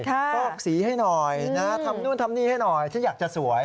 ฟอกสีให้หน่อยทำนู่นทำนี่ให้หน่อยฉันอยากจะสวย